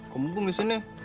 kembung di sini